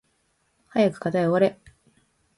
早く課題終われ